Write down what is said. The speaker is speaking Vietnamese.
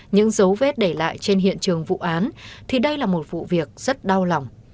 những dấu vết để lại trên hiện trường vụ án thì đây là một vụ việc rất đau lòng